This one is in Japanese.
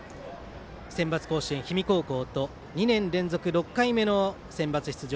センバツ甲子園氷見高校と２年連続６回目のセンバツ出場